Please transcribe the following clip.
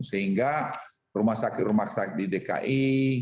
sehingga rumah sakit rumah sakit di dki